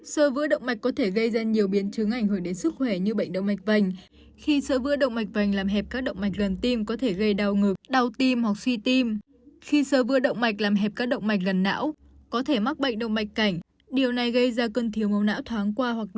sơ vữa động mạch có thể gây ra phình động mạch nếu phình động mạch vỡ ra có thể gây chảy máu bên trong cơ thể đe dọa đến tính mạng